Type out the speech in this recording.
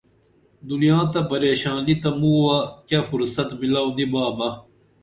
دنیا تہ پریشانی تہ مُووہ کیہ فرصت میلاو نی با بہ